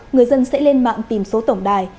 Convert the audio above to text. người dân sẽ lên mạng tìm số tổng đài